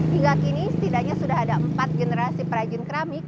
hingga kini setidaknya sudah ada empat generasi perajin keramik